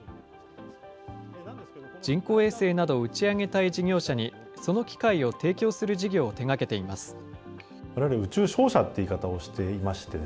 人工衛星などを打ち上げたい事業者に、その機会を提供する事業を手がけています。